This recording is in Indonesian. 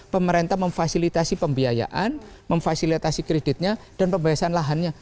pemerintah memfasilitasi pembiayaan memfasilitasi kreditnya dan pembahasan lahannya